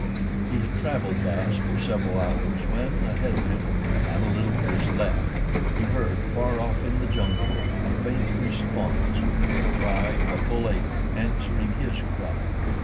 He had traveled thus for several hours when, ahead of him and a little to his left, he heard, far off in the jungle, a faint response—the cry of a bull ape answering his cry.